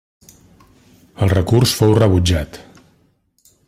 El recurs fou rebutjat.